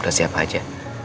udah siap aja